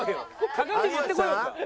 鏡持ってこようか？